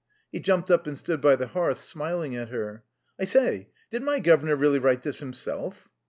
He jumped up and stood by the hearth, smiling at her. "I say, did my guv'nor really write this himself?"